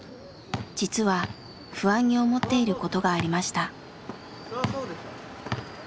実は不安に思っていることがありました。